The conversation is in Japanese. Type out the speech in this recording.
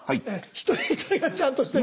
「１人１人がちゃんとしてる」。